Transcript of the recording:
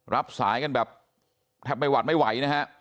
รับสายกันแบบแทบไม่หวัดไม่ไหวนะฮะ